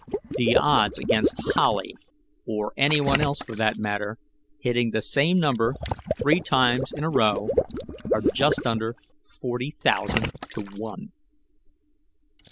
The odds against Howley or anyone else, for that matter hitting the same number three times in a row are just under forty thousand to one.